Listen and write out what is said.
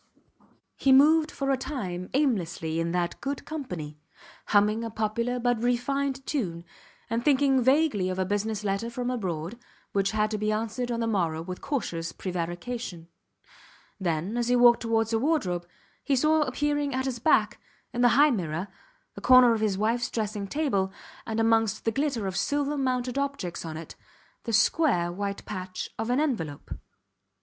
He moved for a time aimlessly in that good company, humming a popular but refined tune, and thinking vaguely of a business letter from abroad, which had to be answered on the morrow with cautious prevarication. Then, as he walked towards a wardrobe, he saw appearing at his back, in the high mirror, the corner of his wifes dressing table, and amongst the glitter of silver mounted objects on it, the square white patch of an envelope.